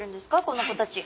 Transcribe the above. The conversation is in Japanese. この子たち。